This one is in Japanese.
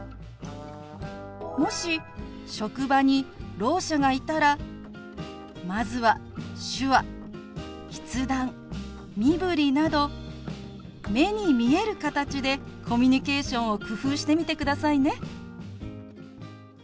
もし職場にろう者がいたらまずは手話筆談身振りなど目に見える形でコミュニケーションを工夫してみてくださいね。